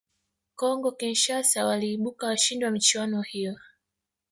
congo Kinshasa waliibuka washindi wa michuano hiyo